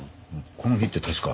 この日って確か。